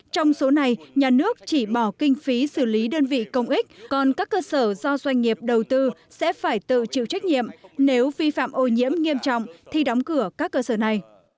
trong số này nhà nước chỉ bỏ kinh phí xử lý đơn vị công ích còn các cơ sở do doanh nghiệp đầu tư sẽ phải tự chịu trách nhiệm nếu vi phạm ô nhiễm nghiêm trọng thì đóng cửa các cơ sở này